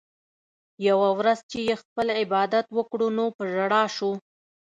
يوه ورځ چې ئې خپل عبادت وکړو نو پۀ ژړا شو